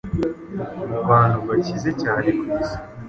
mu bantu bakize cyane ku isi